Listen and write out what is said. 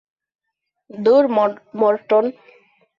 ধুর, মরটন!